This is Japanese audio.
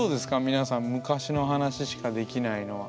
皆さん昔の話しかできないのは。